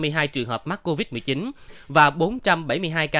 tới nay tổng số ca mắc covid một mươi chín trên toàn cầu vượt năm trăm hai mươi bảy triệu ca